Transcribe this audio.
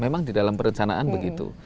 memang di dalam perencanaan begitu